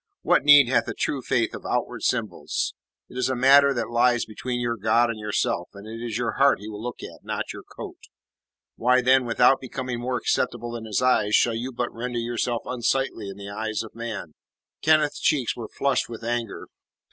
"What need hath a true faith of outward symbols? It is a matter that lies between your God and yourself, and it is your heart He will look at, not your coat. Why, then, without becoming more acceptable in His eyes, shall you but render yourself unsightly in the eyes of man?" Kenneth's cheeks were flushed with anger.